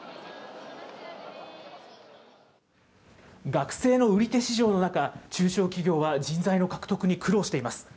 学生の売手市場の中、中小企業は人材の獲得に苦労しています。